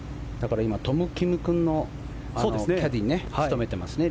今、トム・キム君のキャディーを務めていますね。